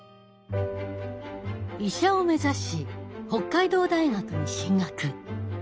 医者を目指し北海道大学に進学。